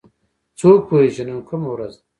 څوک پوهیږي چې نن کومه ورځ ده